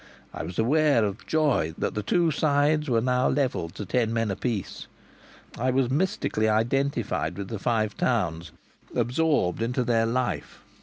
I was aware of joy in that the two sides were now levelled to ten men apiece. I was mystically identified with the Five Towns, absorbed into their life.